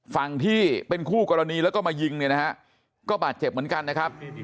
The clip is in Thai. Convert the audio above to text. ฝั่งที่เป็นคู่กรณีแล้วก็มายิงเนี่ยนะฮะก็บาดเจ็บเหมือนกันนะครับ